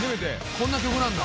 こんな曲なんだ。